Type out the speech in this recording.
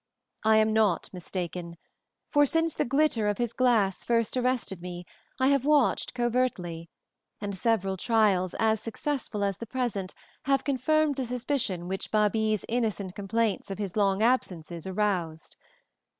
I am not mistaken; for since the glitter of his glass first arrested me I have watched covertly, and several trials as successful as the present have confirmed the suspicion which Babie's innocent complaints of his long absences aroused.